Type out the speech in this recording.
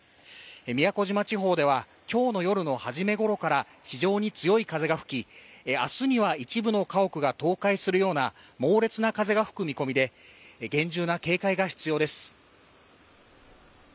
宮古島地方では今日の夜の初めごろから非常に強い風が吹き、明日には一部の家屋が倒壊するような猛烈な風が吹く見込みで厳重な警戒が必要です。